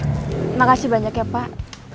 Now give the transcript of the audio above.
terima kasih banyak ya pak